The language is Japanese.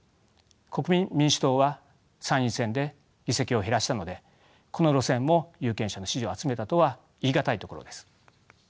国民民主党は参院選で議席を減らしたのでこの路線も有権者の支持を集めたとは言い難いところです。